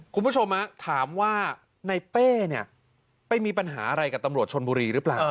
คุณผู้ชมถามว่าในเป้เนี่ยไปมีปัญหาอะไรกับตำรวจชนบุรีหรือเปล่า